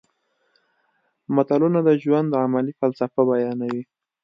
متلونه د ژوند عملي فلسفه بیانوي